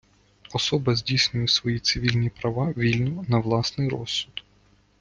Особа здійснює свої цивільні права вільно, на власний розсуд.